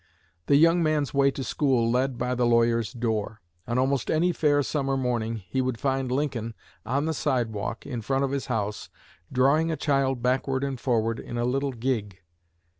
The young man's way to school led by the lawyer's door. On almost any fair summer morning he would find Lincoln on the sidewalk in front of his house, drawing a child backward and forward in a little gig.